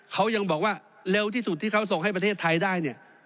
เขายังบอกว่าเร็วที่สุดที่เขาส่งให้ประเทศไทยได้เนี่ย